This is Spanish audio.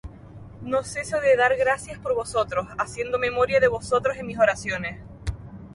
No ceso de dar gracias por vosotros, haciendo memoria de vosotros en mis oraciones;